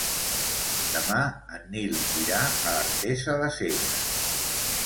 Demà en Nil irà a Artesa de Segre.